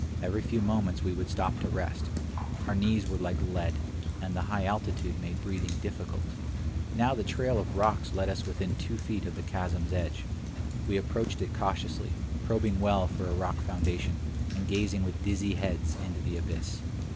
Every few moments we would stop to rest; our knees were like lead, and the high altitude made breathing difficult. Now the trail of rocks led us within two feet of the chasm's edge; we approached it cautiously, probing well for a rock foundation, and gazing with dizzy heads into the abyss.